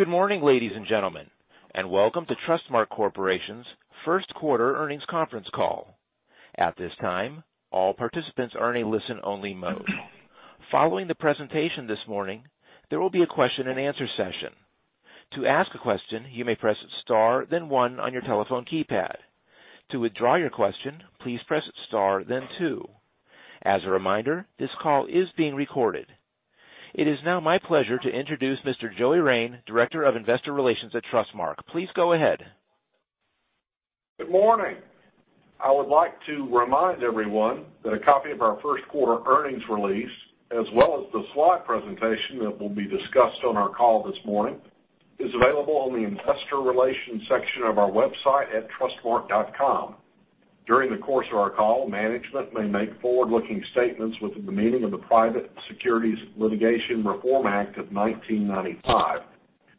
Good morning, ladies and gentlemen, and welcome to Trustmark Corporation's first quarter earnings conference call. At this time, all participants are in a listen-only mode. Following the presentation this morning, there will be a question and answer session. To ask a question, you may press star then one on your telephone keypad. To withdraw your question, please press star then two. As a reminder, this call is being recorded. It is now my pleasure to introduce Mr. Joey Rein, Director of Investor Relations at Trustmark. Please go ahead. Good morning. I would like to remind everyone that a copy of our first quarter earnings release, as well as the slide presentation that will be discussed on our call this morning, is available on the investor relations section of our website at trustmark.com. During the course of our call, management may make forward-looking statements within the meaning of the Private Securities Litigation Reform Act of 1995.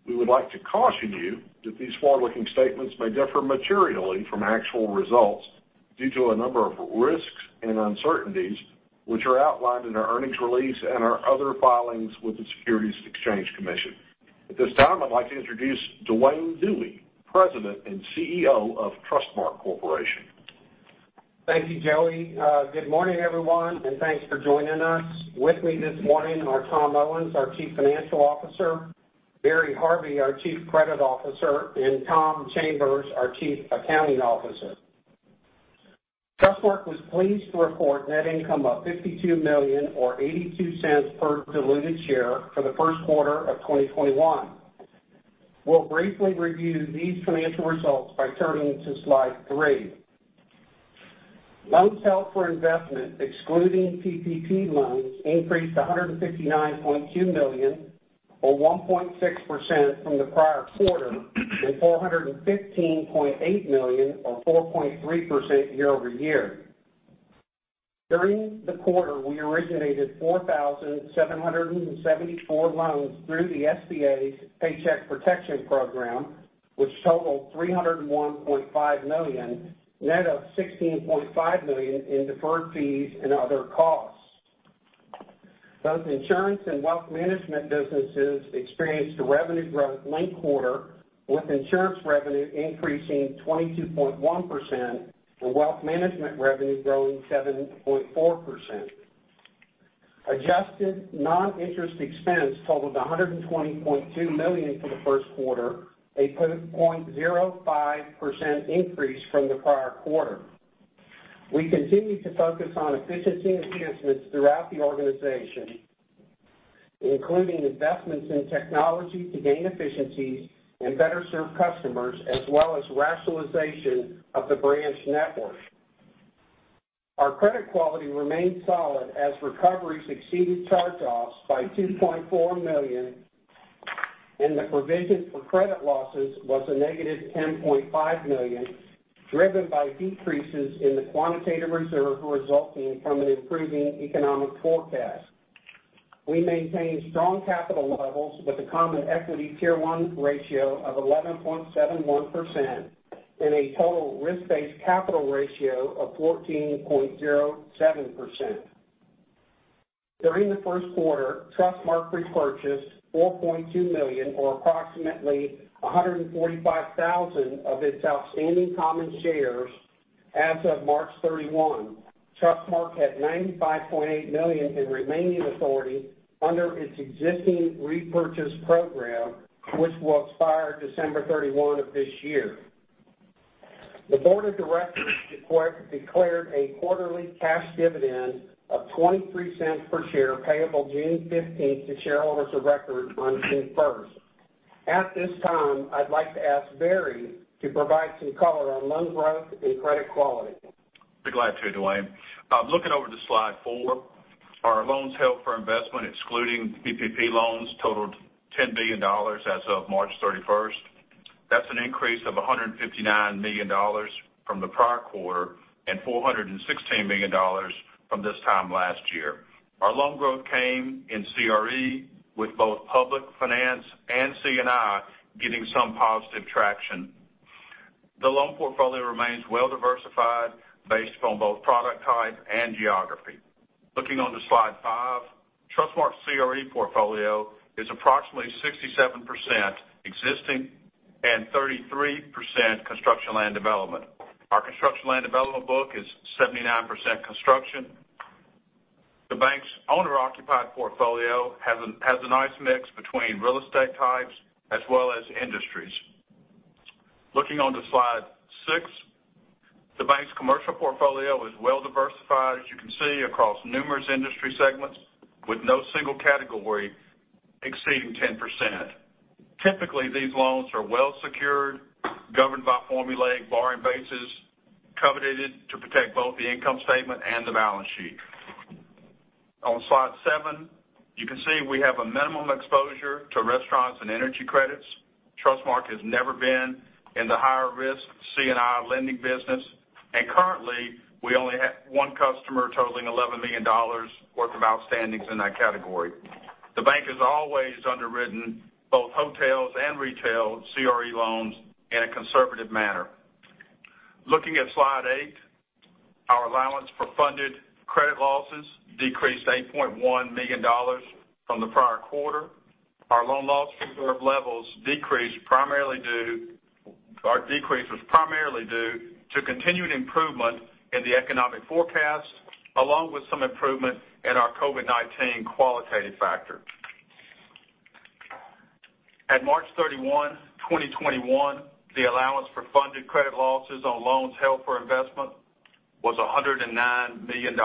We would like to caution you that these forward-looking statements may differ materially from actual results due to a number of risks and uncertainties, which are outlined in our earnings release and our other filings with the Securities and Exchange Commission. At this time, I'd like to introduce Duane Dewey, President and CEO of Trustmark Corporation. Thank you, Joey. Good morning, everyone, and thanks for joining us. With me this morning are Tom Owens, our Chief Financial Officer, Barry Harvey, our Chief Credit Officer, and Tom Chambers, our Chief Accounting Officer. Trustmark was pleased to report net income of $52 million or $0.82 per diluted share for the first quarter of 2021. We'll briefly review these financial results by turning to slide three. Loans held for investment, excluding PPP loans, increased $159.2 million, or 1.6% from the prior quarter, and $415.8 million or 4.3% year-over-year. During the quarter, we originated 4,774 loans through the SBA's Paycheck Protection Program, which totaled $301.5 million, net of $16.5 million in deferred fees and other costs. Both insurance and wealth management businesses experienced a revenue growth linked quarter, with insurance revenue increasing 22.1% and wealth management revenue growing 7.4%. Adjusted non-interest expense totaled $120.2 million for the first quarter, a 0.5% increase from the prior quarter. We continue to focus on efficiency enhancements throughout the organization, including investments in technology to gain efficiencies and better serve customers, as well as rationalization of the branch network. Our credit quality remained solid as recoveries exceeded charge-offs by $2.4 million, and the provision for credit losses was a negative $10.5 million, driven by decreases in the quantitative reserve resulting from an improving economic forecast. We maintain strong capital levels with a Common Equity Tier 1 ratio of 11.71% and a total risk-based capital ratio of 14.07%. During the first quarter, Trustmark repurchased $4.2 million, or approximately 145,000 of its outstanding common shares. As of March 31, Trustmark had $95.8 million in remaining authority under its existing repurchase program, which will expire December 31 of this year. The board of directors declared a quarterly cash dividend of $0.23 per share payable June 15th to shareholders of record on June 1st. At this time, I'd like to ask Barry to provide some color on loan growth and credit quality. Be glad to, Duane Dewey. Looking over to slide four, our loans held for investment excluding PPP loans totaled $10 billion as of March 31st. That's an increase of $159 million from the prior quarter and $416 million from this time last year. Our loan growth came in CRE with both public finance and C&I getting some positive traction. The loan portfolio remains well-diversified based on both product type and geography. Looking on to slide five, Trustmark CRE portfolio is approximately 67% existing and 33% construction land development. Our construction land development book is 79% construction. The bank's owner-occupied portfolio has a nice mix between real estate types as well as industries. Looking onto slide six, the bank's commercial portfolio is well-diversified, as you can see, across numerous industry segments, with no single category exceeding 10%. Typically, these loans are well secured, governed by formulaic borrowing bases, covenanted to protect both the income statement and the balance sheet. On slide seven, you can see we have a minimum exposure to restaurants and energy credits. Trustmark has never been in the higher risk C&I lending business, and currently, we only have one customer totaling $11 million worth of outstandings in that category. The bank has always underwritten both hotels and retail CRE Loans in a conservative manner. Looking at slide eight, our allowance for funded credit losses decreased $8.1 million from the prior quarter. Our loan loss reserve levels decrease was primarily due to continued improvement in the economic forecast, along with some improvement in our COVID-19 qualitative factor. At March 31st, 2021, the allowance for funded credit losses on Loans Held for Investment was $109 million.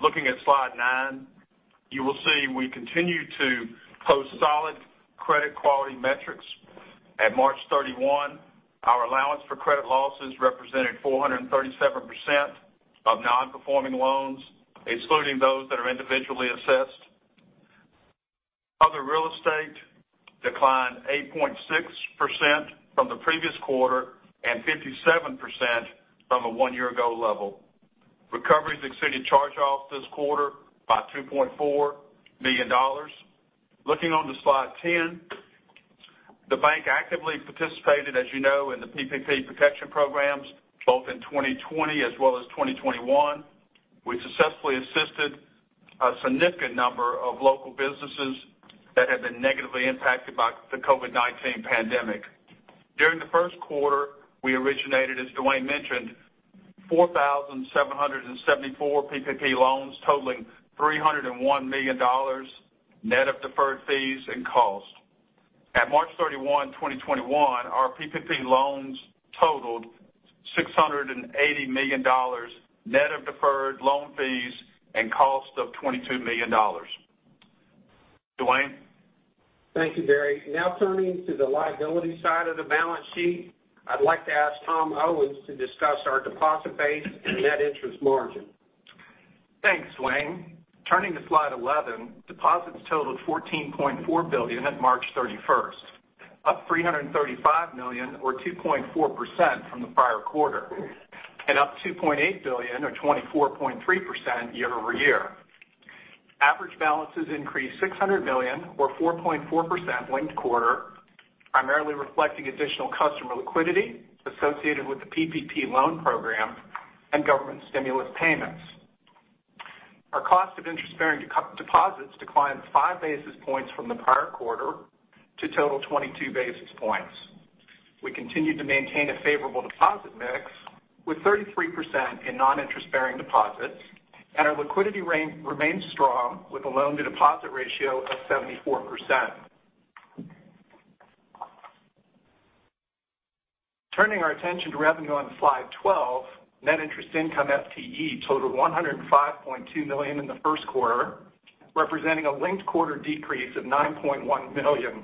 Looking at slide nine, you will see we continue to post solid credit quality metrics. At March 31, our allowance for credit losses represented 437% of non-performing loans, excluding those that are individually assessed. Other real estate declined 8.6% from the previous quarter and 57% from a one year ago level. Recoveries exceeded charge-offs this quarter by $2.4 million. Looking onto slide 10, the bank actively participated, as you know, in the PPP protection programs, both in 2020 as well as 2021. We successfully assisted a significant number of local businesses that had been negatively impacted by the COVID-19 pandemic. During the first quarter, we originated, as Duane mentioned, 4,774 PPP loans totaling $301 million, net of deferred fees and costs. At March 31st, 2021, our PPP loans totaled $680 million, net of deferred loan fees and cost of $22 million. Duane? Thank you, Barry. Now turning to the liability side of the balance sheet, I'd like to ask Tom Owens to discuss our deposit base and net interest margin. Thanks, Duane. Turning to slide 11, deposits totaled $14.4 billion at March 31st, up $335 million or 2.4% from the prior quarter, and up $2.8 billion or 24.3% year-over-year. Average balances increased $600 million or 4.4% linked quarter, primarily reflecting additional customer liquidity associated with the PPP loan program and government stimulus payments. Our cost of interest-bearing deposits declined five basis points from the prior quarter to total 22 basis points. We continued to maintain a favorable deposit mix with 33% in non-interest bearing deposits. Our liquidity range remains strong with a loan to deposit ratio of 74%. Turning our attention to revenue on slide 12, net interest income FTE totaled $105.2 million in the first quarter, representing a linked quarter decrease of $9.1 million.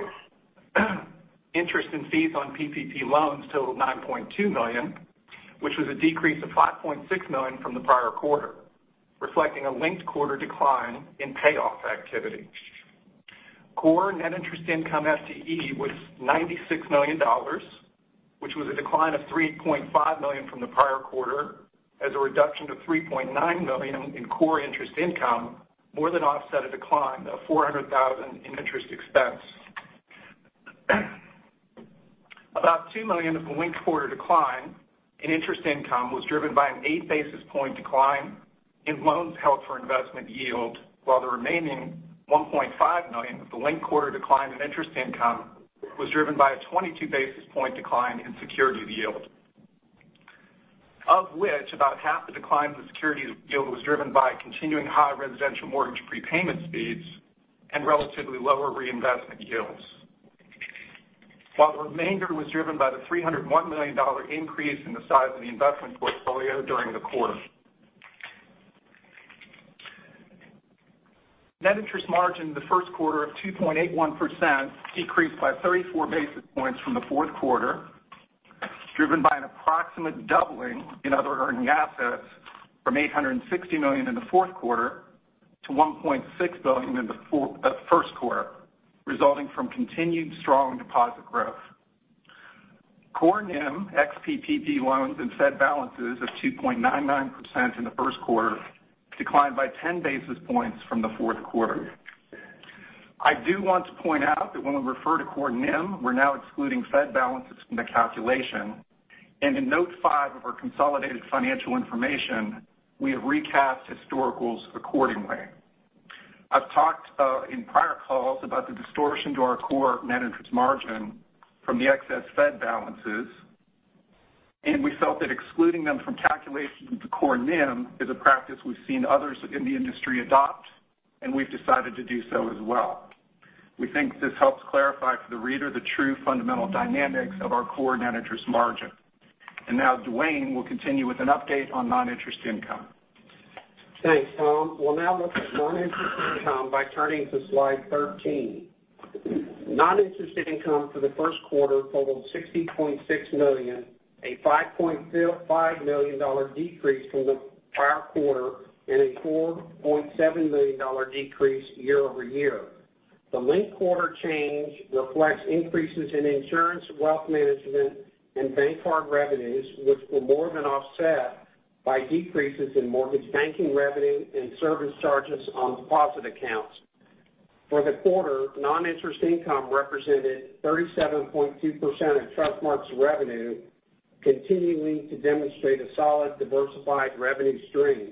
Interest and fees on PPP loans totaled $9.2 million, which was a decrease of $5.6 million from the prior quarter, reflecting a linked quarter decline in payoff activity. Core net interest income FTE was $96 million, which was a decline of $3.5 million from the prior quarter as a reduction to $3.9 million in core interest income more than offset a decline of $400,000 in interest expense. About $2 million of the linked quarter decline in interest income was driven by an eight basis point decline in loans held for investment yield, while the remaining $1.5 million of the linked quarter decline in interest income was driven by a 22 basis point decline in securities yield. Of which, about half the decline in the securities yield was driven by continuing high residential mortgage prepayment speeds and relatively lower reinvestment yields. While the $301 million increase in the size of the investment portfolio drove the remainder during the quarter. net interest margin in the first quarter of 2.81% decreased by 34 basis points from the fourth quarter, driven by an approximate doubling in other earning assets from $860 million in the fourth quarter to $1.6 billion in the first quarter, resulting from continued strong deposit growth. Core NIM, ex-PPP loans and Fed balances of 2.99% in the first quarter declined by 10 basis points from the fourth quarter. I do want to point out that when we refer to core NIM, we're now excluding Fed balances from the calculation. In note 5 of our consolidated financial information, we have recapped historicals accordingly. I've talked in prior calls about the distortion to our core net interest margin from the excess Fed balances, and we felt that excluding them from calculation of the core NIM is a practice we've seen others in the industry adopt, and we've decided to do so as well. We think this helps clarify for the reader the true fundamental dynamics of our core net interest margin. Now Duane will continue with an update on non-interest income. Thanks, Tom. We'll now look at non-interest income by turning to slide 13. Non-interest income for the first quarter totaled $60.6 million, a $5.5 million decrease from the prior quarter and a $4.7 million decrease year-over-year. The linked quarter change reflects increases in insurance, wealth management, and bank card revenues, which were more than offset by decreases in mortgage banking revenue and service charges on deposit accounts. For the quarter, non-interest income represented 37.2% of Trustmark's revenue, continuing to demonstrate a solid, diversified revenue stream.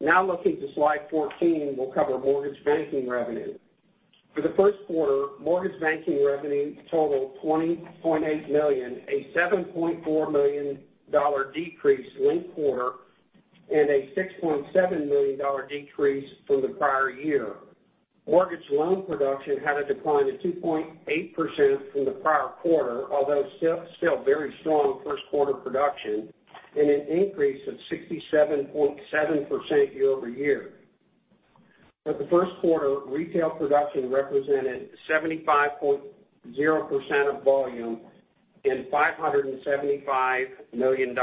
Now looking to slide 14, we'll cover mortgage banking revenue. For the first quarter, mortgage banking revenue totaled $20.8 million, a $7.4 million decrease linked quarter, and a $6.7 million decrease from the prior year. Mortgage loan production had a decline of 2.8% from the prior quarter, although still very strong first quarter production, and an increase of 67.7% year-over-year. For the first quarter, retail production represented 75.0% of volume and $575 million.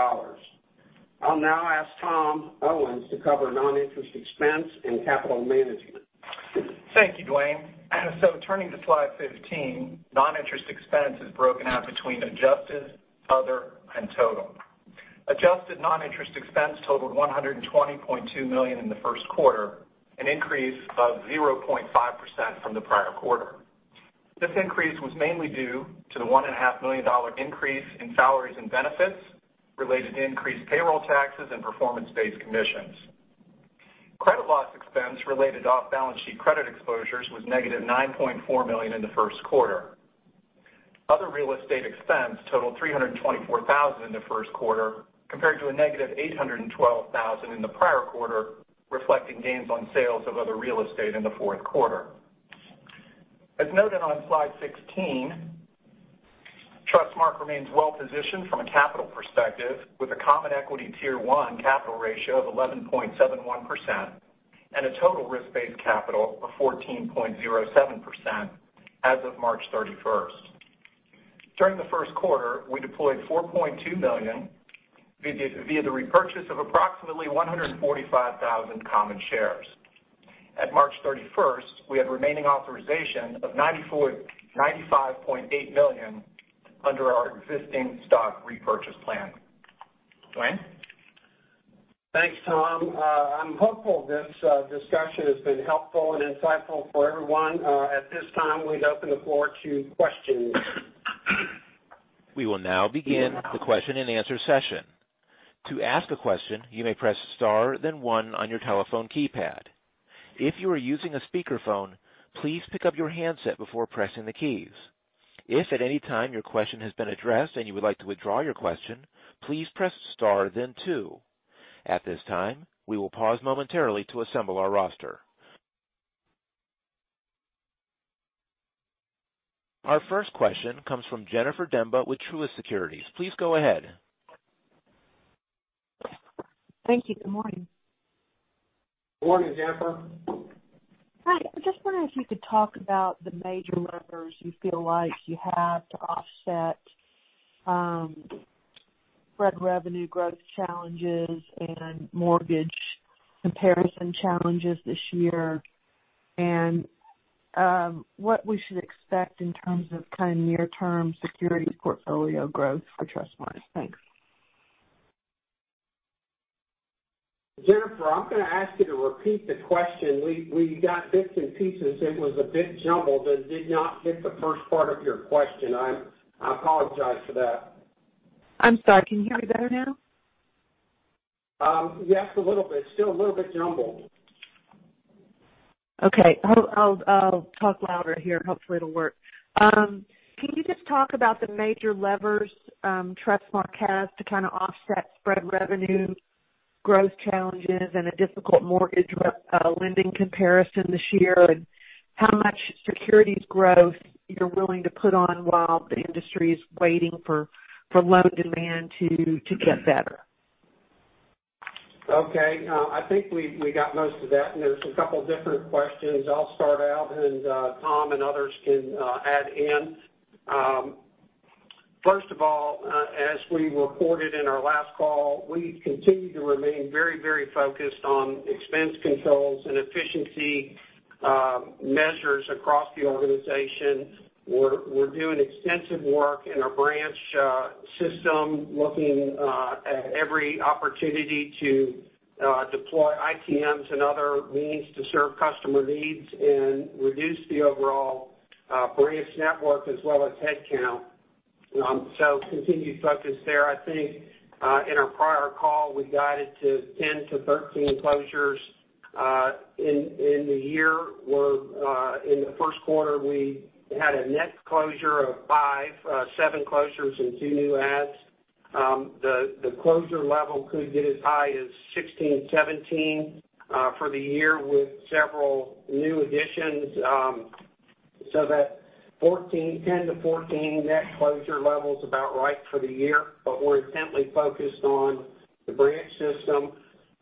I'll now ask Tom Owens to cover non-interest expense and capital management. Thank you, Duane. Turning to slide 15, non-interest expense is broken out between adjusted, other, and total. Adjusted non-interest expense totaled $120.2 million in the first quarter, an increase of 0.5% from the prior quarter. This increase was mainly due to the $1.5 million increase in salaries and benefits related to increased payroll taxes and performance-based commissions. Credit loss expense related to off-balance sheet credit exposures was negative $9.4 million in the first quarter. Other real estate expense totaled $324,000 in the first quarter, compared to a negative $812,000 in the prior quarter, reflecting gains on sales of other real estate in the fourth quarter. As noted on Slide 16, Trustmark remains well-positioned from a capital perspective with a Common Equity Tier 1 capital ratio of 11.71% and a total risk-based capital of 14.07% as of March 31st. During the first quarter, we deployed $4.2 million via the repurchase of approximately 145,000 common shares. At March 31st, we had remaining authorization of $95.8 million under our existing stock repurchase plan. Duane? Thanks, Tom. I'm hopeful this discussion has been helpful and insightful for everyone. At this time, we open the floor to questions. Our first question comes from Jennifer Demba with Truist Securities. Please go ahead. Thank you. Good morning. Morning, Jennifer. Hi, I'm just wondering if you could talk about the major levers you feel like you have to offset spread revenue growth challenges and mortgage comparison challenges this year and what we should expect in terms of near-term securities portfolio growth for Trustmark? Thanks. Jennifer, I'm going to ask you to repeat the question. We got bits and pieces. It was a bit jumbled and did not get the first part of your question. I apologize for that. I'm sorry. Can you hear me better now? Yes, a little bit. Still a little bit jumbled. Okay. I'll talk louder here. Hopefully, it'll work. Can you just talk about the major levers Trustmark has to kind of offset spread revenue growth challenges and a difficult mortgage lending comparison this year, and how much securities growth you're willing to put on while the industry is waiting for loan demand to get better? Okay. No, I think we got most of that, there's a couple different questions. I'll start out Tom and others can add in. First of all, as we reported in our last call, we continue to remain very focused on expense controls and efficiency measures across the organization. We're doing extensive work in our branch system, looking at every opportunity to deploy ITMs and other means to serve customer needs and reduce the overall branch network as well as headcount. Continued focus there. I think in our prior call, we guided to 10-13 closures in the year. In the first quarter, we had a net closure of five, seven closures and two new adds. The closure level could get as high as 16, 17 for the year with several new additions. That 10-14 net closure level is about right for the year. We're intently focused on the branch system.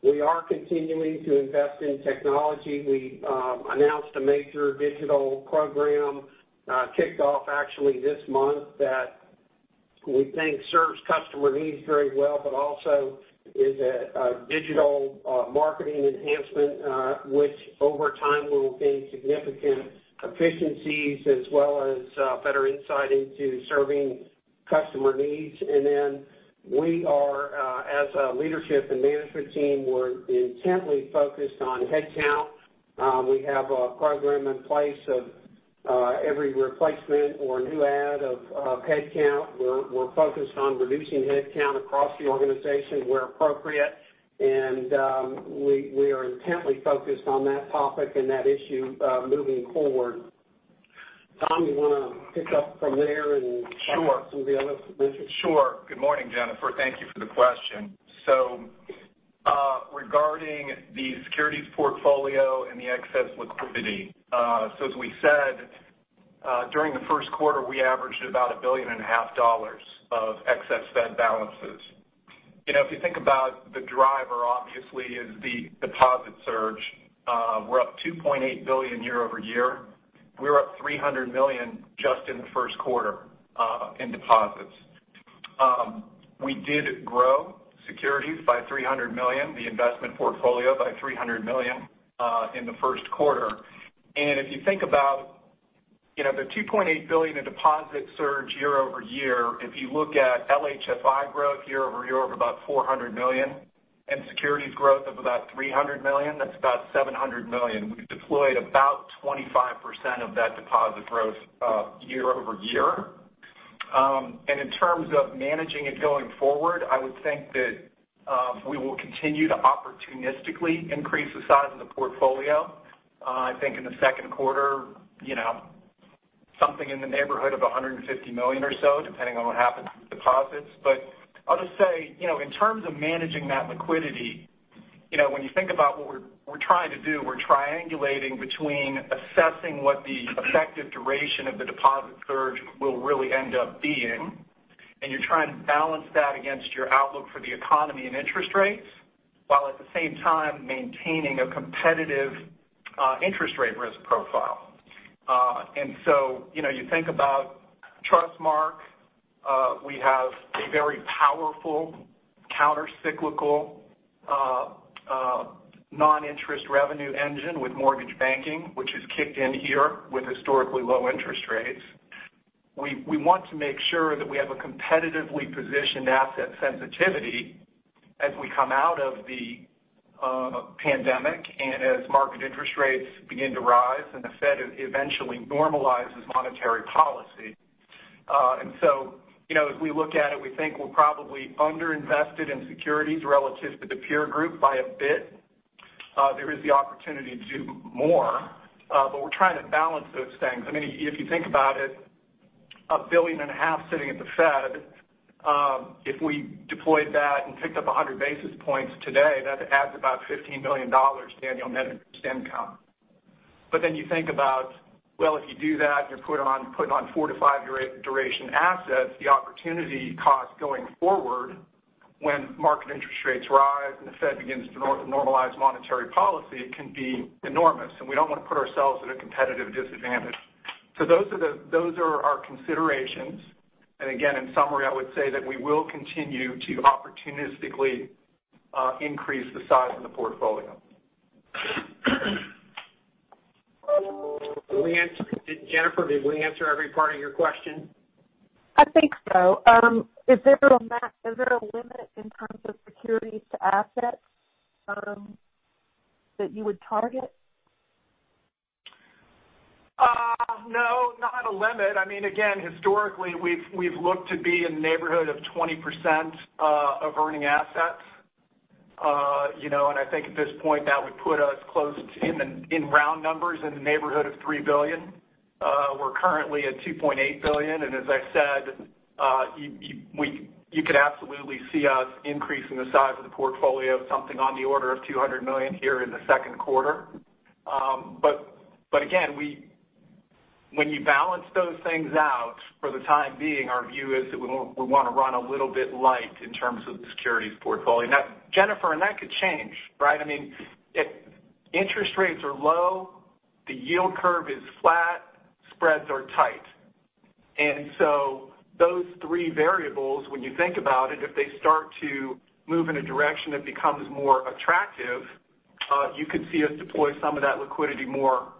We are continuing to invest in technology. We announced a major digital program, kicked off actually this month, that we think serves customer needs very well, but also is a digital marketing enhancement which over time will gain significant efficiencies as well as better insight into serving customer needs. As a leadership and management team, we're intently focused on headcount. We have a program in place of every replacement or new add of headcount. We're focused on reducing headcount across the organization where appropriate. We are intently focused on that topic and that issue moving forward. Tom, you want to pick up from there and. Sure Talk to some of the other metrics? Sure. Good morning, Jennifer. Thank you for the question. Regarding the securities portfolio and the excess liquidity. As we said, during the first quarter, we averaged about a billion and a half dollars of excess Fed balances. If you think about the driver, obviously, is the deposit surge. We're up $2.8 billion year-over-year. We were up $300 million just in the first quarter in deposits. We did grow securities by $300 million, the investment portfolio by $300 million in the first quarter. If you think about the $2.8 billion in deposit surge year-over-year, if you look at LHFI growth year-over-year of about $400 million and securities growth of about $300 million, that's about $700 million. We've deployed about 25% of that deposit growth year-over-year. In terms of managing it going forward, I would think that we will continue to opportunistically increase the size of the portfolio. I think in the second quarter, something in the neighborhood of $150 million or so, depending on what happens with deposits. I'll just say, in terms of managing that liquidity, when you think about what we're trying to do, we're triangulating between assessing what the effective duration of the deposit surge will really end up being, and you're trying to balance that against your outlook for the economy and interest rates, while at the same time maintaining a competitive interest rate risk profile. You think about Trustmark, we have a very powerful counter-cyclical non-interest revenue engine with mortgage banking, which has kicked in here with historically low interest rates. We want to make sure that we have a competitively positioned asset sensitivity as we come out of the pandemic and as market interest rates begin to rise and the Fed eventually normalizes monetary policy. As we look at it, we think we're probably under-invested in securities relative to the peer group by a bit. There is the opportunity to do more. We're trying to balance those things. If you think about it, a billion and a half sitting at the Fed, if we deployed that and picked up 100 basis points today, that adds about $15 million to annual net interest income. You think about, well, if you do that, and you're putting on four to five-duration assets, the opportunity cost going forward when market interest rates rise and the Fed begins to normalize monetary policy can be enormous, and we don't want to put ourselves at a competitive disadvantage. Those are our considerations. Again, in summary, I would say that we will continue to opportunistically increase the size of the portfolio. Jennifer, did we answer every part of your question? I think so. Is there a limit in terms of securities to assets that you would target? No, not a limit. Again, historically, we've looked to be in the neighborhood of 20% of earning assets. I think at this point that would put us close to, in round numbers, in the neighborhood of $3 billion. We're currently at $2.8 billion. As I said, you could absolutely see us increasing the size of the portfolio, something on the order of $200 million here in the second quarter. Again, when you balance those things out, for the time being, our view is that we want to run a little bit light in terms of the securities portfolio. Jennifer, that could change, right? If interest rates are low, the yield curve is flat, spreads are tight. Those three variables, when you think about it, if they start to move in a direction that becomes more attractive, you could see us deploy some of that liquidity more rapidly.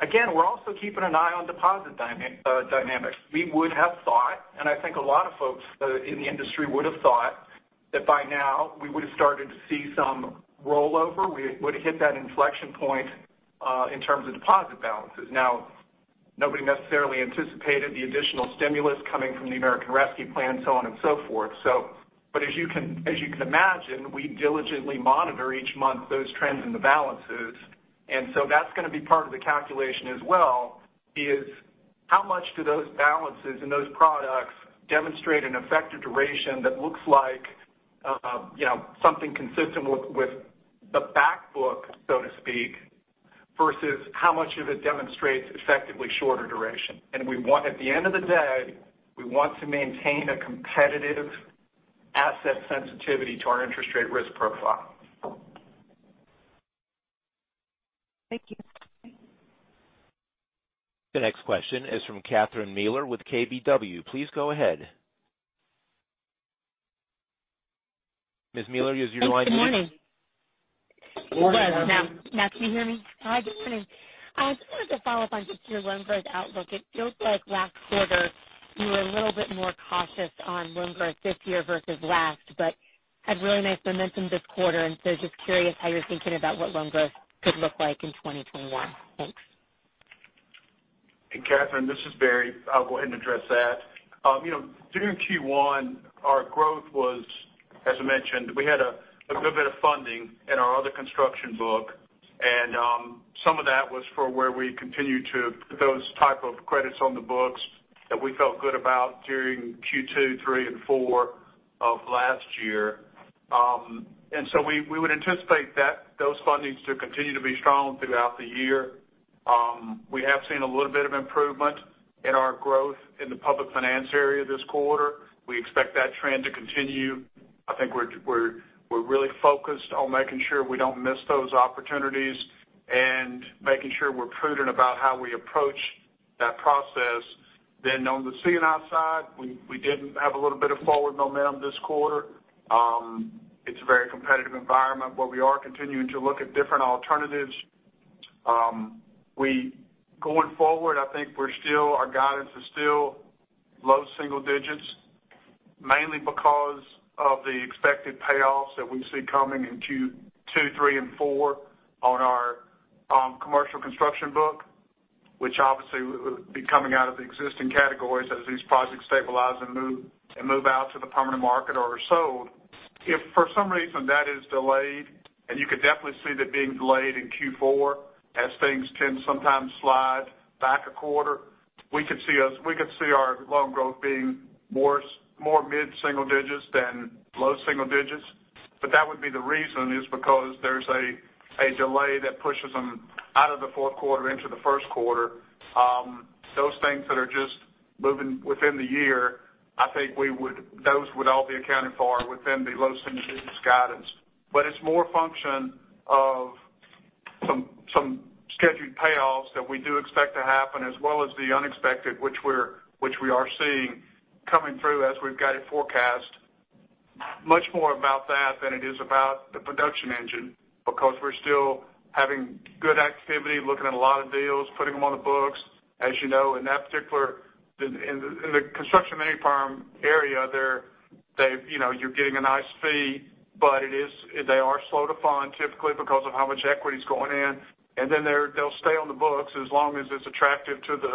Again, we're also keeping an eye on deposit dynamics. We would have thought, and I think a lot of folks in the industry would have thought, that by now we would have started to see some rollover. We would hit that inflection point in terms of deposit balances. Nobody necessarily anticipated the additional stimulus coming from the American Rescue Plan, so on and so forth. As you can imagine, we diligently monitor each month those trends and the balances. That's going to be part of the calculation as well is how much do those balances and those products demonstrate an effective duration that looks like something consistent with the back book, so to speak, versus how much of it demonstrates effectively shorter duration. At the end of the day, we want to maintain a competitive asset sensitivity to our interest rate risk profile. Thank you. The next question is from Catherine Mealor with KBW. Please go ahead. Ms. Mealor, is your line working? Thanks. Good morning. It was. Now, can you hear me? Hi, good morning. I just wanted to follow up on just your loan growth outlook. It feels like last quarter you were a little bit more cautious on loan growth this year versus last, but had really nice momentum this quarter. Just curious how you're thinking about what loan growth could look like in 2021. Thanks. Hey, Catherine, this is Barry. I'll go ahead and address that. During Q1, our growth was, as I mentioned, we had a good bit of funding in our other construction book, and some of that was for where we continued to put those type of credits on the books that we felt good about during Q2, Q3, and Q4 of last year. We would anticipate that those fundings to continue to be strong throughout the year. We have seen a little bit of improvement in our growth in the public finance area this quarter. We expect that trend to continue. I think we're really focused on making sure we don't miss those opportunities and making sure we're prudent about how we approach that process. On the C&I side, we did have a little bit of forward momentum this quarter. It's a very competitive environment. We are continuing to look at different alternatives. Going forward, I think our guidance is still low single digits, mainly because of the expected payoffs that we see coming in Q2, Q3, and Q4 on our commercial construction book. Which obviously will be coming out of the existing categories as these projects stabilize and move out to the permanent market or are sold. If for some reason that is delayed, and you could definitely see that being delayed in Q4 as things tend to sometimes slide back a quarter, we could see our loan growth being more mid-single digits than low single digits. That would be the reason is because there's a delay that pushes them out of the fourth quarter into the first quarter. Those things that are just moving within the year, I think those would all be accounted for within the low single-digits guidance. It's more a function of some scheduled payoffs that we do expect to happen as well as the unexpected, which we are seeing coming through as we've got it forecast. Much more about that than it is about the production engine because we're still having good activity, looking at a lot of deals, putting them on the books. As you know, in the construction and land development area, you're getting a nice fee, but they are slow to fund typically because of how much equity is going in. They'll stay on the books as long as it's attractive to the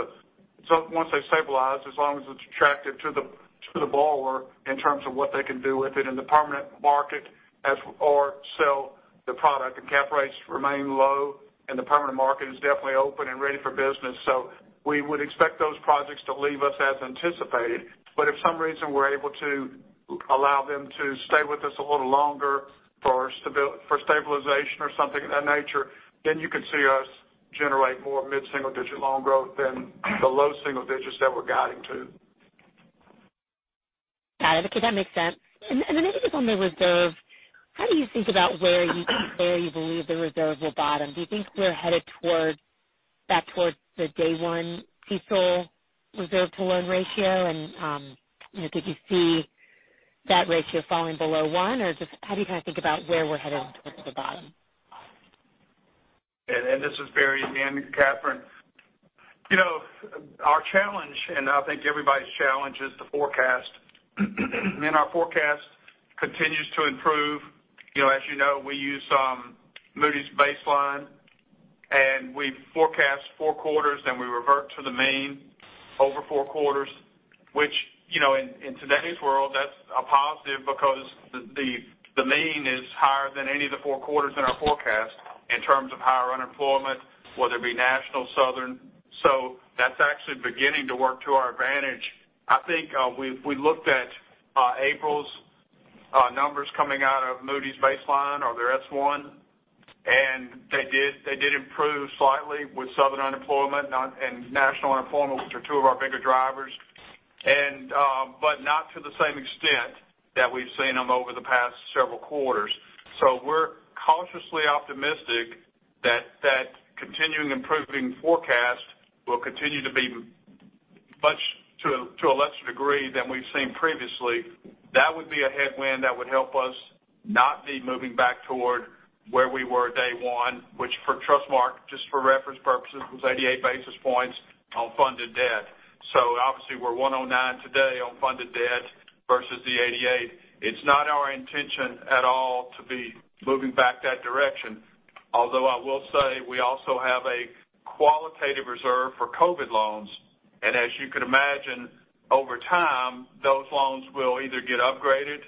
borrower in terms of what they can do with it in the permanent market or sell the product. Cap rates remain low and the permanent market is definitely open and ready for business. We would expect those projects to leave us as anticipated. If for some reason we're able to allow them to stay with us a little longer for stabilization or something of that nature, then you could see us generate more mid-single-digit loan growth than the low single digits that we're guiding to. Got it. Okay, that makes sense. Maybe just on the reserve, how do you think about where you believe the reserve will bottom? Do you think we're headed back towards the day one CECL reserve to loan ratio? Did you see that ratio falling below one or just how do you kind of think about where we're headed towards the bottom? This is Barry again, Catherine. Our challenge and I think everybody's challenge is to forecast. Our forecast continues to improve. As you know, we use Moody's baseline and we forecast four quarters, we revert to the mean over four quarters, which in today's world, that's a positive because the mean is higher than any of the four quarters in our forecast in terms of higher unemployment, whether it be national, Southern. That's actually beginning to work to our advantage. I think we looked at April's numbers coming out of Moody's baseline or their S1, they did improve slightly with Southern unemployment and national unemployment, which are two of our bigger drivers. Not to the same extent that we've seen them over the past several quarters. We're cautiously optimistic that that continuing improving forecast will continue to be much to a lesser degree than we've seen previously. That would be a headwind that would help us not be moving back toward where we were at day one, which for Trustmark, just for reference purposes, was 88 basis points on funded debt. Obviously we're 109 today on funded debt versus the 88. It's not our intention at all to be moving back that direction. I will say we also have a qualitative reserve for COVID-19 loans, and as you could imagine, over time, those loans will either get upgraded,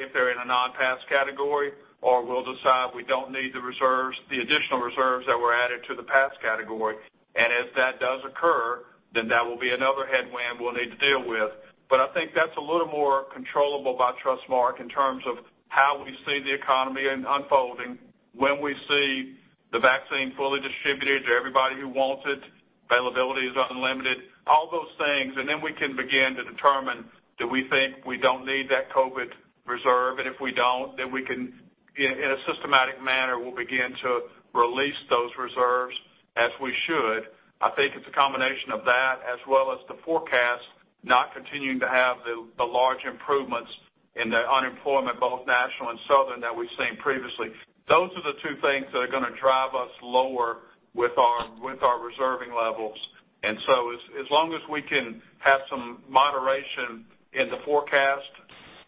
if they're in a non-pass category, or we'll decide we don't need the additional reserves that were added to the pass category. If that does occur, that will be another headwind we'll need to deal with. I think that's a little more controllable by Trustmark in terms of how we see the economy unfolding, when we see the vaccine fully distributed to everybody who wants it, availability is unlimited, all those things. Then we can begin to determine, do we think we don't need that COVID reserve? If we don't, then we can, in a systematic manner, we'll begin to release those reserves as we should. I think it's a combination of that as well as the forecast not continuing to have the large improvements in the unemployment, both national and southern, that we've seen previously. Those are the two things that are going to drive us lower with our reserving levels. As long as we can have some moderation in the forecast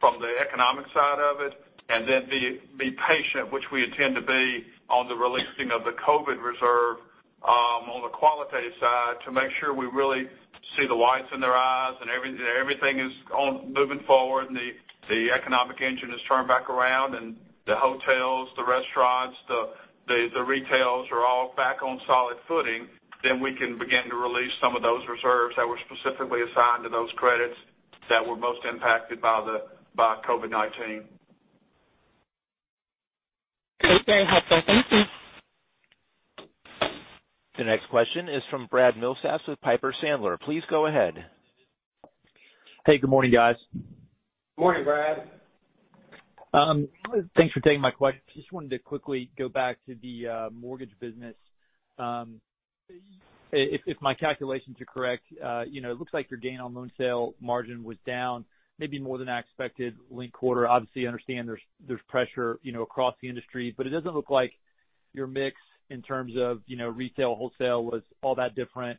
from the economic side of it, and then be patient, which we intend to be on the releasing of the COVID reserve on the qualitative side to make sure we really see the whites in their eyes and everything is moving forward and the economic engine is turned back around and the hotels, the restaurants, the retails are all back on solid footing, then we can begin to release some of those reserves that were specifically assigned to those credits that were most impacted by COVID-19. That's very helpful. Thank you. The next question is from Brad Milsaps with Piper Sandler. Please go ahead. Hey, good morning, guys. Morning, Brad. Thanks for taking my question. Just wanted to quickly go back to the mortgage business. If my calculations are correct, it looks like your gain on loan sale margin was down maybe more than expected linked quarter. Obviously, understand there's pressure across the industry. It doesn't look like your mix in terms of retail, wholesale was all that different.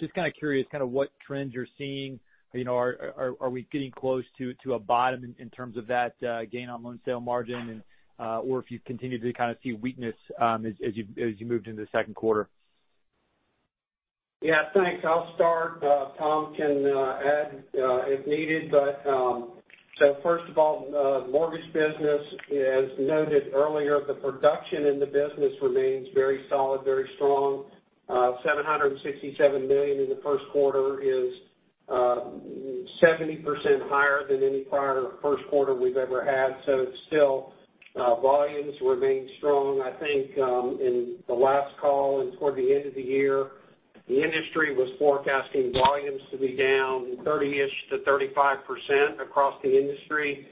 Just kind of curious what trends you're seeing. Are we getting close to a bottom in terms of that gain on loan sale margin? If you've continued to kind of see weakness as you moved into the second quarter? Yeah, thanks. I'll start. Tom can add if needed. First of all, mortgage banking, as noted earlier, the production in the business remains very solid, very strong. $767 million in the first quarter is 70% higher than any prior first quarter we've ever had. It's still volumes remain strong. I think in the last call and toward the end of the year, the industry was forecasting volumes to be down 30-ish to 35% across the industry.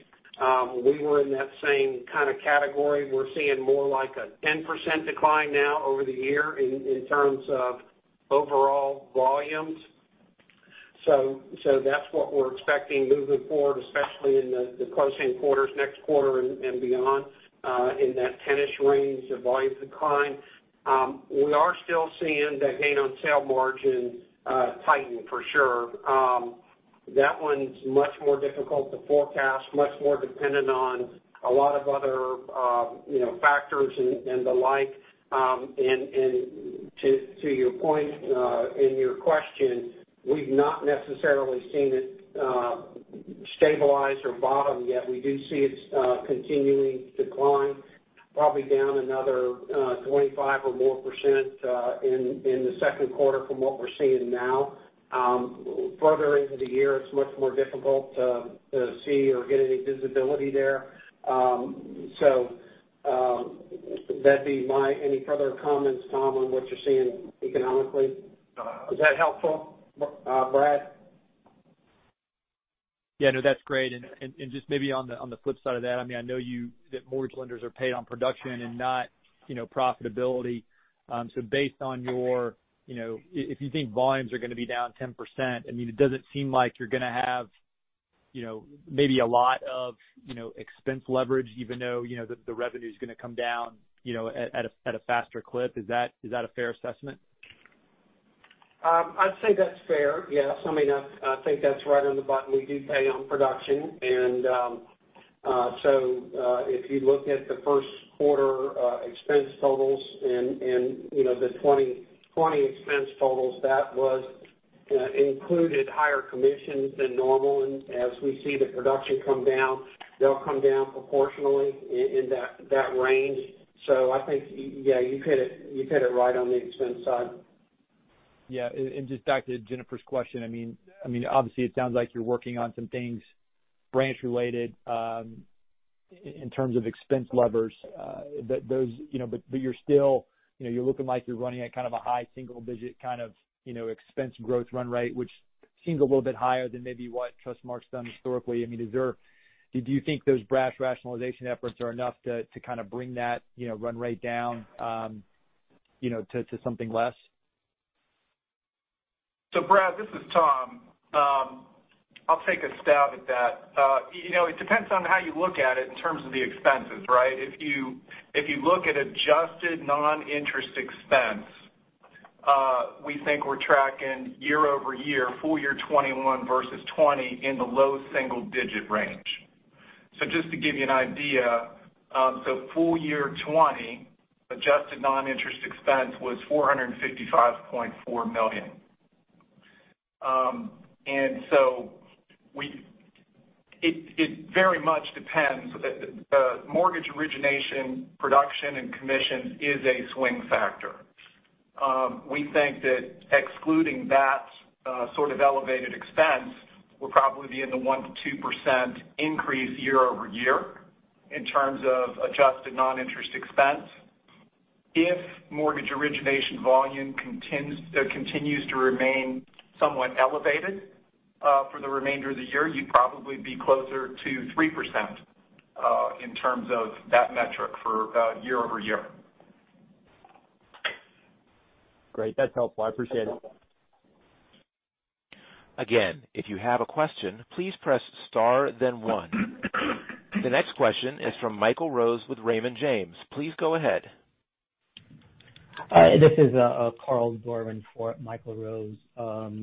We were in that same kind of category. We're seeing more like a 10% decline now over the year in terms of overall volumes. That's what we're expecting moving forward, especially in the close in quarters, next quarter and beyond in that 10-ish range of volume decline. We are still seeing the gain on sale margin tighten for sure. That one's much more difficult to forecast, much more dependent on a lot of other factors and the like. To your point in your question, we've not necessarily seen it stabilize or bottom yet. We do see it's continuing to decline, probably down another 25% or more in the second quarter from what we're seeing now. Further into the year, it's much more difficult to see or get any visibility there. Any further comments, Tom, on what you're seeing economically? Is that helpful, Brad? Yeah, no, that's great. Just maybe on the flip side of that, I know that mortgage lenders are paid on production and not profitability. Based on if you think volumes are going to be down 10%, it doesn't seem like you're going to have maybe a lot of expense leverage even though the revenue's going to come down at a faster clip. Is that a fair assessment? I'd say that's fair. Yes. I think that's right on the button. We do pay on production. If you look at the first quarter expense totals and the 2020 expense totals, that included higher commissions than normal. As we see the production come down, they'll come down proportionally in that range. I think, yeah, you hit it right on the expense side. Yeah. Just back to Jennifer's question, obviously it sounds like you're working on some things branch related in terms of expense levers. You're still looking like you're running at kind of a high single digit kind of expense growth run rate, which seems a little bit higher than maybe what Trustmark's done historically. Do you think those branch rationalization efforts are enough to kind of bring that run rate down to something less? Brad, this is Tom. I'll take a stab at that. It depends on how you look at it in terms of the expenses, right? If you look at adjusted non-interest expense, we think we're tracking year-over-year full year 2021 versus 2020 in the low single digit range. Just to give you an idea, full year 2020 adjusted non-interest expense was $455.4 million. It very much depends. Mortgage origination production and commission is a swing factor. We think that excluding that sort of elevated expense will probably be in the 1%-2% increase year-over-year in terms of adjusted non-interest expense. If mortgage origination volume continues to remain somewhat elevated for the remainder of the year, you'd probably be closer to 3%. In terms of that metric for year-over-year. Great. That's helpful. I appreciate it. Again, if you have a question, please press star then one. The next question is from Michael Rose with Raymond James. Please go ahead. Hi. This is Carl Doirin for Michael Rose.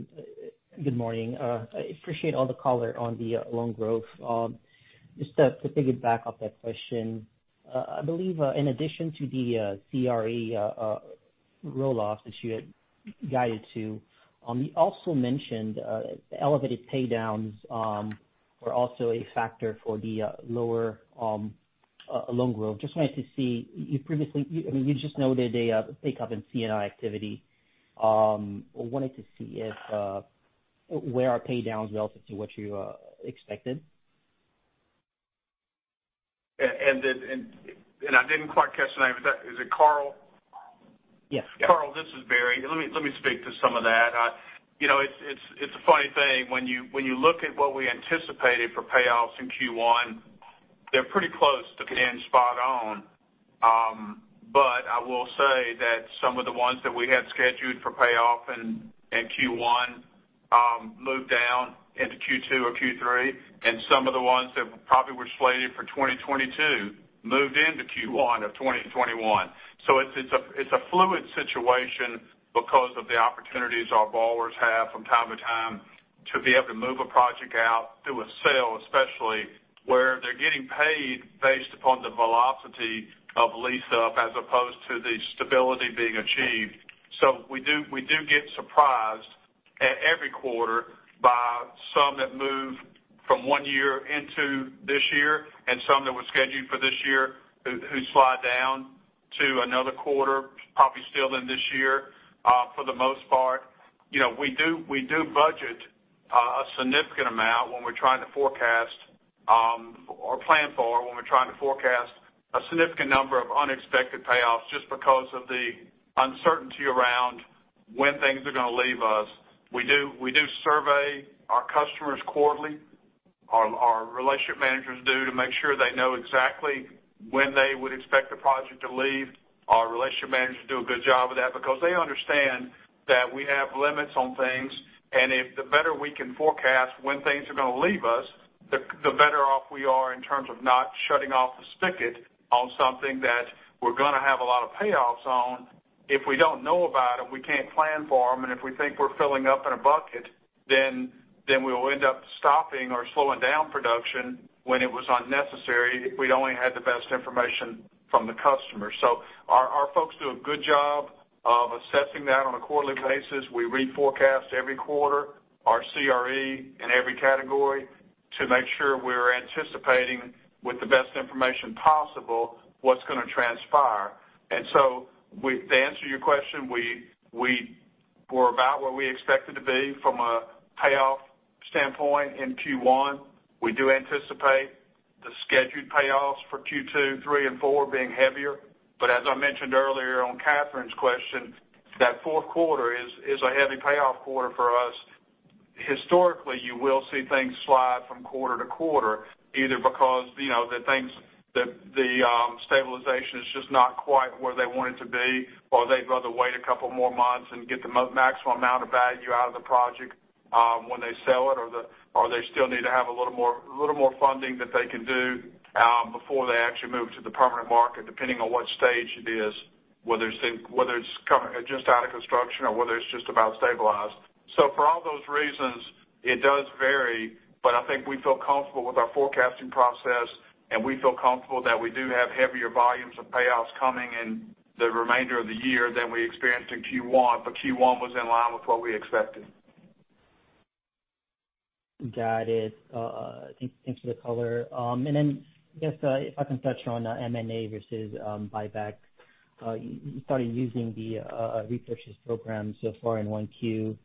Good morning. I appreciate all the color on the loan growth. Just to piggyback off that question, I believe, in addition to the CRE roll-off that you had guided to. You also mentioned elevated paydowns were also a factor for the lower loan growth. You just noted a pickup in C&I activity. I wanted to see where are paydowns relative to what you expected? I didn't quite catch the name. Is it Carl? Yes. Carl, this is Barry. Let me speak to some of that. It's a funny thing. When you look at what we anticipated for payoffs in Q1, they're pretty close to being spot on. I will say that some of the ones that we had scheduled for payoff in Q1 moved down into Q2 or Q3, and some of the ones that probably were slated for 2022 moved into Q1 of 2021. It's a fluid situation because of the opportunities our borrowers have from time to time to be able to move a project out through a sale, especially where they're getting paid based upon the velocity of lease up as opposed to the stability being achieved. We do get surprised at every quarter by some that move from one year into this year, and some that were scheduled for this year who slide down to another quarter, probably still in this year. For the most part, we do budget a significant amount when we're trying to forecast or plan for when we're trying to forecast a significant number of unexpected payoffs just because of the uncertainty around when things are going to leave us. We do survey our customers quarterly. Our relationship managers do to make sure they know exactly when they would expect the project to leave. Our relationship managers do a good job of that because they understand that we have limits on things, and if the better we can forecast when things are going to leave us, the better off we are in terms of not shutting off the spigot on something that we're going to have a lot of payoffs on. If we don't know about them, we can't plan for them, and if we think we're filling up in a bucket, then we will end up stopping or slowing down production when it was unnecessary if we'd only had the best information from the customer. So our folks do a good job of assessing that on a quarterly basis. We reforecast every quarter our CRE in every category to make sure we're anticipating with the best information possible what's going to transpire. To answer your question, we're about where we expected to be from a payoff standpoint in Q1. We do anticipate the scheduled payoffs for Q2, Q3, and Q4 being heavier. As I mentioned earlier on Catherine's question, that fourth quarter is a heavy payoff quarter for us. Historically, you will see things slide from quarter to quarter, either because the stabilization is just not quite where they want it to be, or they'd rather wait a couple more months and get the maximum amount of value out of the project when they sell it, or they still need to have a little more funding that they can do before they actually move to the permanent market, depending on what stage it is. Whether it's just out of construction or whether it's just about stabilized. For all those reasons, it does vary, but I think we feel comfortable with our forecasting process, and we feel comfortable that we do have heavier volumes of payoffs coming in the remainder of the year than we experienced in Q1. Q1 was in line with what we expected. Got it. Thanks for the color. If I can touch on M&A versus buybacks. You started using the repurchase program so far in 1Q.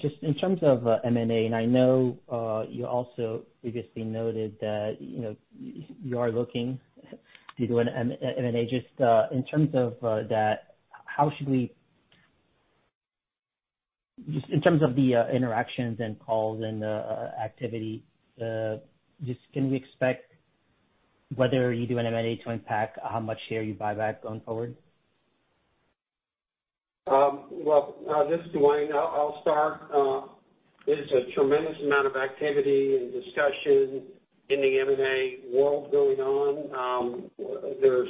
Just in terms of M&A, I know you also previously noted that you are looking to do an M&A. Just in terms of that, in terms of the interactions and calls and activity, can we expect whether you do M&A to impact how much share you buy back going forward? Well, this is Duane. I'll start. There's a tremendous amount of activity and discussion in the M&A world going on. There's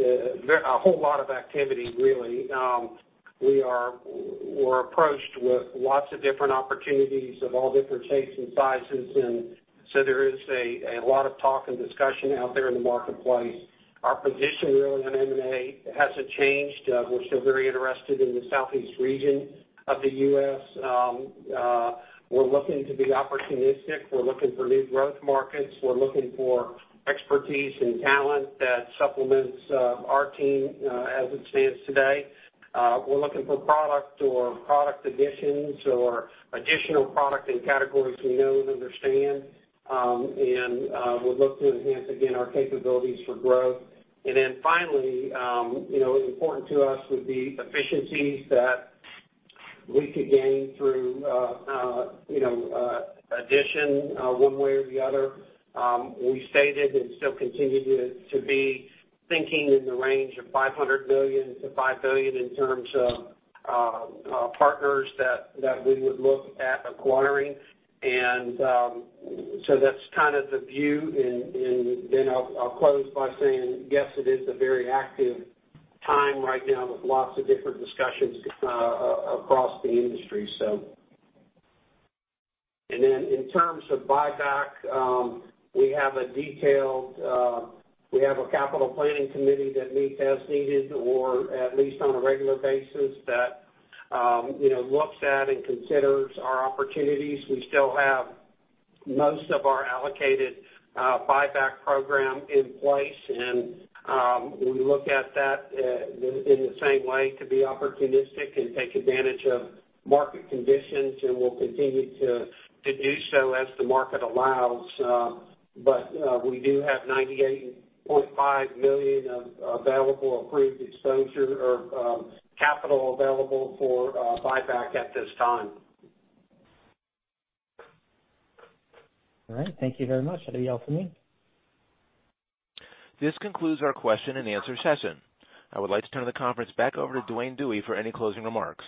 a whole lot of activity really. We're approached with lots of different opportunities of all different shapes and sizes, and so there is a lot of talk and discussion out there in the marketplace. Our position really on M&A hasn't changed. We're still very interested in the southeast region of the U.S. We're looking to be opportunistic. We're looking for new growth markets. We're looking for expertise and talent that supplements our team as it stands today. We're looking for product or product additions or additional product and categories we know and understand. We look to enhance, again, our capabilities for growth. Finally, important to us would be efficiencies that. We could gain through addition one way or the other. We stated and still continue to be thinking in the range of $500 million to $5 billion in terms of partners that we would look at acquiring. That's kind of the view. I'll close by saying, yes, it is a very active time right now with lots of different discussions across the industry. In terms of buyback, we have a capital planning committee that meets as needed, or at least on a regular basis, that looks at and considers our opportunities. We still have most of our allocated buyback program in place, and we look at that in the same way to be opportunistic and take advantage of market conditions, and we'll continue to do so as the market allows. We do have $98.5 million of available approved exposure or capital available for buyback at this time. All right. Thank you very much. That'll be all for me. This concludes our question and answer session. I would like to turn the conference back over to Duane Dewey for any closing remarks.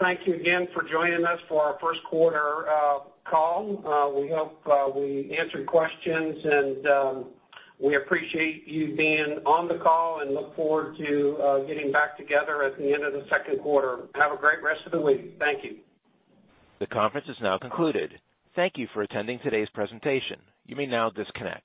Thank you again for joining us for our first quarter call. We hope we answered questions, and we appreciate you being on the call and look forward to getting back together at the end of the second quarter. Have a great rest of the week. Thank you. The conference is now concluded. Thank you for attending today's presentation. You may now disconnect.